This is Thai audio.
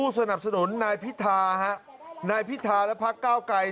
สนับสนุนนายพิธาฮะนายพิธาและพักเก้าไกร